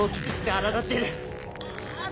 あ。